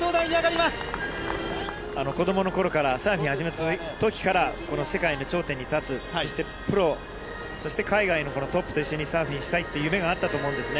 子どものころから、サーフィン始めたときから、この世界の頂点に立つ、そしてプロ、そして海外のトップと一緒にサーフィンしたいっていう夢があったと思うんですね。